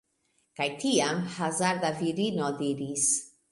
Kaj tiam, hazarda virino diris: